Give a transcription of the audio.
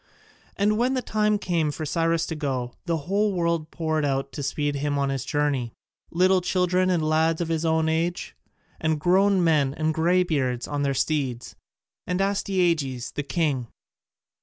And when the time came for Cyrus to go, the whole world poured out to speed him on his journey little children and lads of his own age, and grown men and greybeards on their steeds, and Astyages the king.